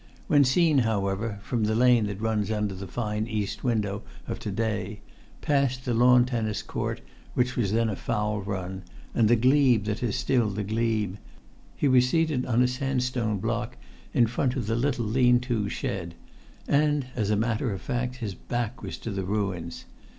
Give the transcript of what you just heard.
When seen, however (from the lane that runs[Pg 107] under the fine east window of to day, past the lawn tennis court which was then a fowl run, and the glebe that is still the glebe), he was seated on a sandstone block in front of the little lean to shed; and, as a matter of fact, his back was to the ruins.